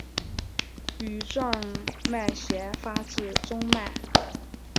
羽状脉斜发自中脉。